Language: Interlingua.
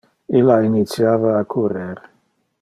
Illa initiava a currer.